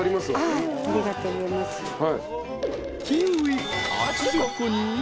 ［キウイ８０個に］